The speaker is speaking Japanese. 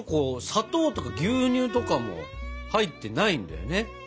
砂糖とか牛乳とかも入ってないんだよね。